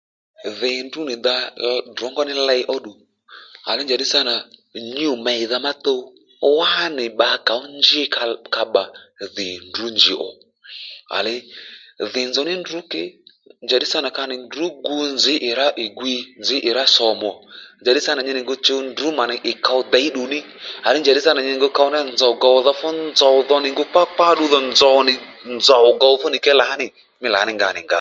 Dhì ní ndrǔ nì dǎ ddrǒngó ní ley ó ddu à léy njàddí sǎ nà nyû mèydha mà tuw wá nì bba kà ó njí ka bbà dhì ní ndrǔ njì ó à ley dhì nzòw ní ndrǔ ke njàddí sǎ nà ka nì ndrǔ gǔ nzǐ ì rǎ ì gwiy nzǐ ì rǎ sòmù ò njàddí sǎ nà nyi nì ngu chǔw ndrǔ mà nì ì kǒw děy ddu ní à léy njàddí sâ nà nyi nì ngu chǔw nzòw gòwdha fú nzòw dho nì ngu kpákpá ddu-dhò nzòw nì nzòw gǒw fú nì ké lǎní mí lǎní nga nì ngǎ